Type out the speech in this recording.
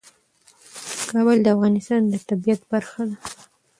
کابل د افغانستان د طبیعت برخه ده.